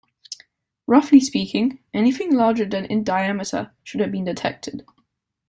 Roughly speaking, anything larger than in diameter should have been detected.